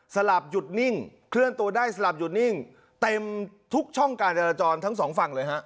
หลับหยุดนิ่งเคลื่อนตัวได้สลับหยุดนิ่งเต็มทุกช่องการจราจรทั้งสองฝั่งเลยฮะ